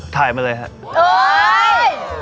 ถ่ายมาเลยครับ